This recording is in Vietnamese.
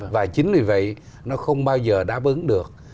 và chính vì vậy nó không bao giờ đáp ứng được